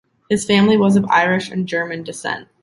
His family was of Irish and German descent.